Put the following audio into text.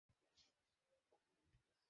Amos, কবে তালাকের মামলা করেছিলেন?